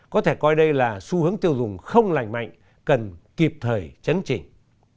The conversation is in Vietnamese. có thể coi đây là xu hướng tiêu dùng không lành mạnh cần kịp thời chấn chỉnh